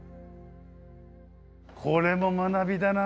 これも学びだな。